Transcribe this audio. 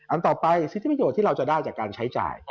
อันต่อไปสิทธิประโยชน์ที่เราจะได้จากการใช้จ่าย